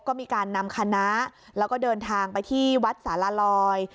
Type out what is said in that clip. ก็มีการนำคณะแล้วก็เดินทางไปที่วัดสารลอย